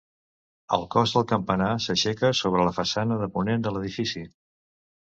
El cos del campanar s'aixeca sobre la façana de ponent de l'edifici.